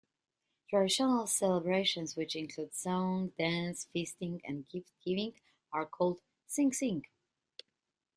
Traditional celebrations, which include song, dance, feasting and gift-giving, are called "sing-sing".